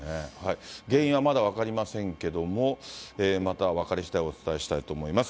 原因はまだ分かりませんけれども、また分かりしだいお伝えしたいと思います。